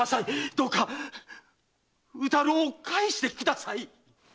どうか宇太郎を返してください！